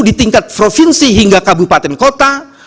di tingkat provinsi hingga kabupaten kota